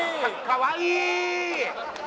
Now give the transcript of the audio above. かわいい！